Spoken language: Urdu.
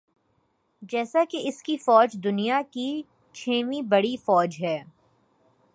جیسا کہ اس کی فوج دنیا کی چھویں بڑی فوج ہے